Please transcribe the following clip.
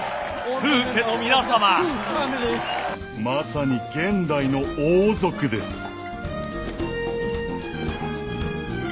まさに現代の王族です。